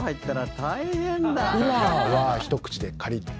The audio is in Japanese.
今はひと口でカリッと。